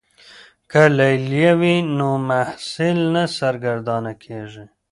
که لیلیه وي نو محصل نه سرګردانه کیږي.